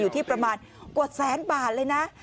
อยู่ที่ประมาณกว่าแสนบาทเลยนะ